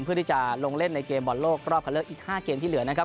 เพื่อที่จะลงเล่นในเกมบอลโลกรอบคันเลือกอีก๕เกมที่เหลือนะครับ